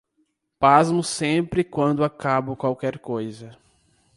Pasmo sempre quando acabo qualquer coisa.